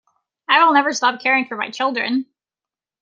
I will never stop caring for my children.